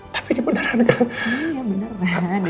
tapi ini beneran kan